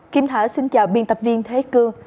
kim thở xin chào biên tập viên thế cương